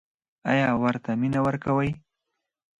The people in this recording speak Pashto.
ایا ورته مینه ورکوئ؟